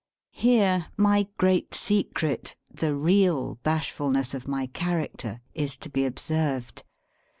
Here my great secret, the real bashfulness of my character, is to be observed.